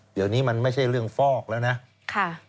เดี๋ยวนี้มันไม่ใช่เรื่องฟอกแล้วนะ